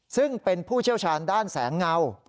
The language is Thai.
ซึ่งเป็นผู้เชี่ยวชาญด้านแสงเงา